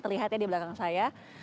terlihat ya di belakang saya